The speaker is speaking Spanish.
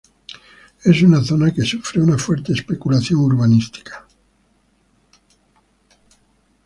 Es una zona que sufre una fuerte especulación urbanística.